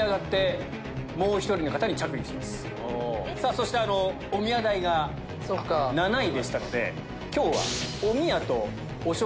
そしておみや代が７位でしたので。